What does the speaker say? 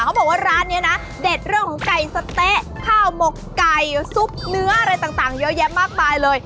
เขาบอกว่าร้านนี้นะเด็ดเรื่องของไก่สะเต๊ะข้าวหมกไก่ซุปเนื้ออะไรต่างเยอะแยะมากมายเลย